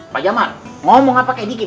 pak jamal ngomong apa ke dikit